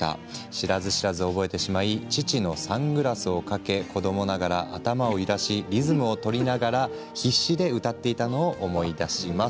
知らず知らず覚えてしまい父のサングラスを掛け子どもながら頭を揺らしリズムを取りながら必死で歌っていたのを思い出します。